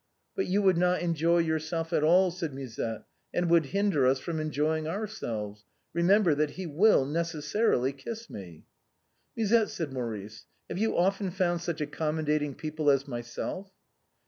" But you would not enjoy yourself at all," said Musette, " and would hinder us from enjoying ourselves. Eemember that he will necessarily kiss me." " Musette," said Maurice, " have you often found such accommodating people as myself